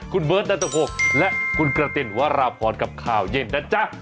คุณเบิร์ตนัตรพงศ์และคุณกระตินวราพรกับข่าวเย็นนะจ๊ะ